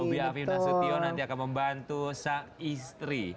bobi afif nasution nanti akan membantu sang istri